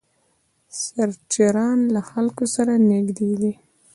سرچران له خلکو سره نږدې دي.